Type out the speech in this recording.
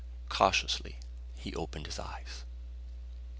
Cautiously he opened his eyes....